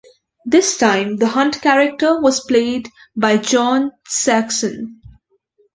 This time, the Hunt character was played by John Saxon.